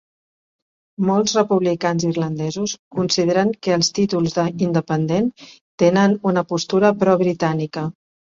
Molts republicans irlandesos consideren que els títols de "Independent" tenen una postura pro-britànica.